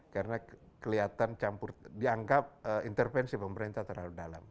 karena kelihatan campur dianggap intervensi pemerintah terlalu dalam